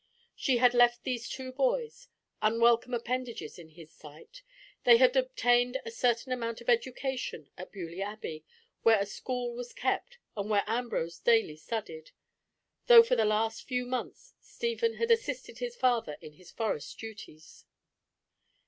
She had left these two boys, unwelcome appendages in his sight. They had obtained a certain amount of education at Beaulieu Abbey, where a school was kept, and where Ambrose daily studied, though for the last few months Stephen had assisted his father in his forest duties.